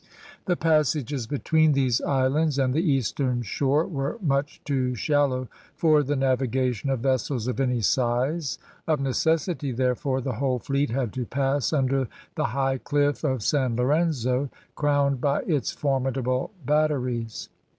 The passages between these islands and the eastern shore were much too shallow for the navigation of vessels of any size. Of necessity, therefore, the whole fleet had to pass under the high cliff of San Lorenzo, crowned by its formidable batteries.